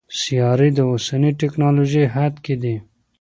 سیارې د اوسني ټکنالوژۍ حد کې دي.